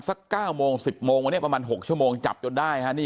สัก๙โมง๑๐โมงวันนี้ประมาณ๖ชั่วโมงจับจนได้ฮะนี่